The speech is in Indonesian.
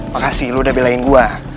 makasih lu udah belain gue